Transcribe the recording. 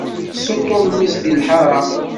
Tessuṭṭuḍ mmi-s di lḥaṛa.